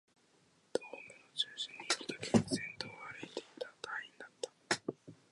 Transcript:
ドームの中心にいくとき、先頭を歩いていた隊員だった